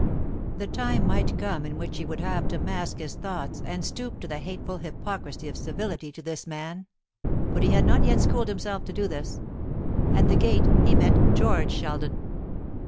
The time might come in which he would have to mask his thoughts, and stoop to the hateful hypocrisy of civility to this man; but he had not yet schooled himself to do this. At the gate he met George Sheldon.